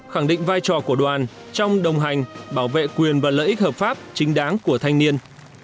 khẳng định vai trò của đoàn trong đồng hành bảo vệ quyền và lợi ích hợp pháp chính đáng của thanh niên